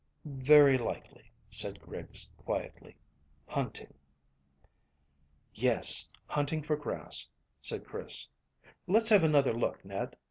"Very likely," said Griggs quietly. "Hunting." "Yes, hunting for grass," said Chris. "Let's have another look, Ned."